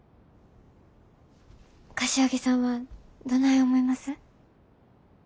柏木さんはどない思います？